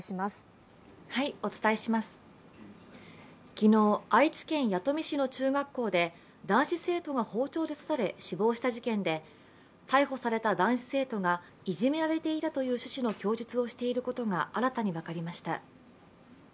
昨日、愛知県弥富市の中学校で男子生徒が包丁で刺され死亡した事件で逮捕された男子生徒が、いじめられていたという趣旨の供述をしていることが新たに分かりました。